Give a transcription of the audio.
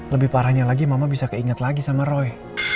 lebih parahnya lagi mama bisa keinget lagi sama roy